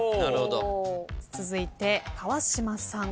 続いて川島さん。